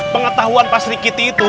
pengetahuan pak sri kiti itu